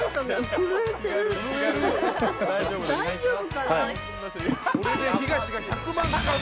大丈夫かな？